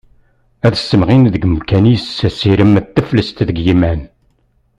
Ad ssemɣin deg umkan-is asirem d teflest deg yiman.